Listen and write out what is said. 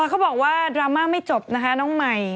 เขาบอกว่าดราม่าไม่จบนะคะน้องใหม่